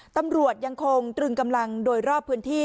ตำรวจยังคงตรึงกำลังโดยรอบพื้นที่